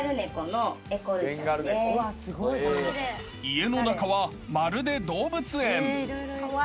［家の中はまるで動物園］